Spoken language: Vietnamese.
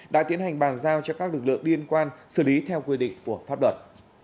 đã tiến hành bàn giao cho các lực lượng liên quan xử lý theo quy định của pháp luật